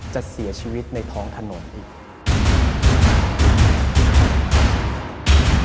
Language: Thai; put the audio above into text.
จะเสียชีวิตในท้องถนนอีก